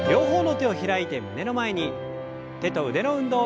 手と腕の運動から。